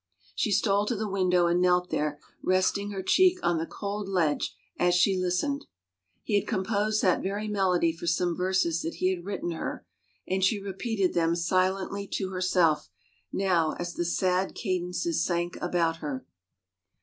... She stole to the window and knelt there resting her cheek on the cold ledge as she listened. He had composed that very melody for some verses that he had written her and she repeated them silently to herself noW as the sad cadences sank about her.